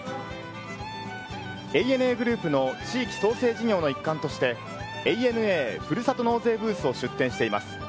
ＡＮＡグループの地域創生事業の一環として、ＡＮＡふるさと納税ブースを出展しています。